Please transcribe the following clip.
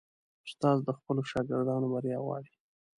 استاد د خپلو شاګردانو بریا غواړي.